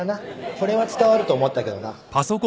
これは伝わると思ったけどな。